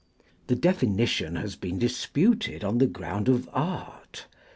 The definition has been disputed on the ground of Art.